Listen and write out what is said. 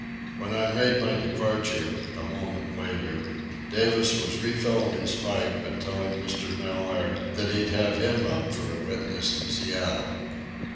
When I made my departure, a moment later, Davis was refilling his pipe and telling Mr. Mellaire that he'd have him up for a witness in Seattle.